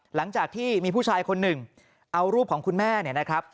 หลังจากที่มีผู้ชายคนหนึ่งเอารูปของคุณแม่เนี่ยนะครับ